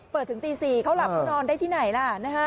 เปิดถึงตี๔เขาหลับหรือนอนได้ที่ไหนล่ะ